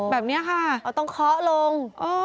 แบบแล้วต้องเคราะห์ลง